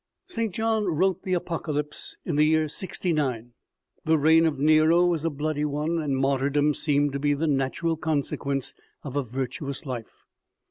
St. John wrote the Apocalypse in the year 69. The reign of Nero was a bloody one, and martyrdom seemed to be the natural consequence of a virtuous life.